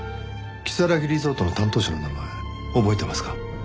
如月リゾートの担当者の名前覚えてますか？